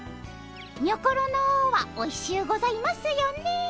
にょころのはおいしゅうございますよね。